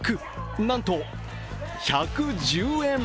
なんと、１１０円。